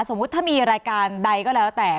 สมมุติถ้ามีรายการใดก็แล้วแต่